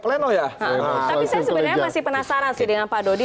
tapi saya sebenarnya masih penasaran sih dengan pak dodi